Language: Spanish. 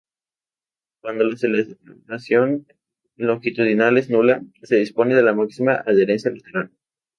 Cuando la aceleración longitudinal es nula, se dispone de la máxima adherencia lateral.